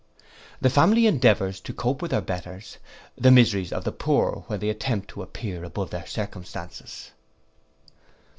The family endeavours to cope with their betters. The miseries of the poor when they attempt to appear above their circumstances.